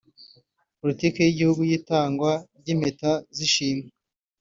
d) Politiki y’Igihugu y’Itangwa ry’impeta z’ishimwe